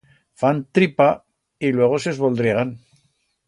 Fan tripa y luego s'esvoldriegan.